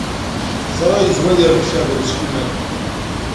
Ẓriɣ yezmer ad yerbeḥ Caɛban U Sliman.